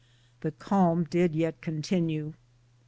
The calme did yeat continue.